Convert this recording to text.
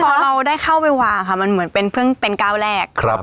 พอเราได้เข้าไปวางค่ะมันเหมือนเป็นเพิ่งเป็นก้าวแรก